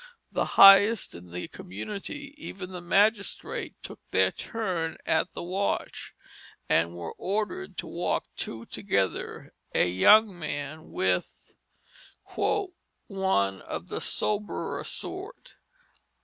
The highest in the community, even the magistrates, took their turn at the watch, and were ordered to walk two together, a young man with "one of the soberer sort."